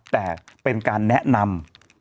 แต่เป็นการแนะนำ